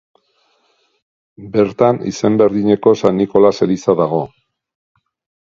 Bertan izen berdineko San Nikolas eliza dago.